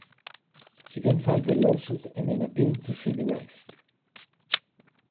He then filed a lawsuit and an appeal to see the rest.